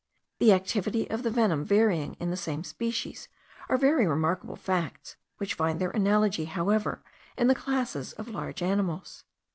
the activity of the venom varying in the same species, are very remarkable facts; which find their analogy, however, in the classes of large animals.